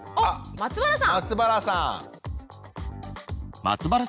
松原さん。